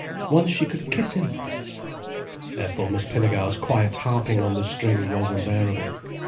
Once she could kiss him! Therefore Miss Pinnegar's quiet harping on the string was unbearable.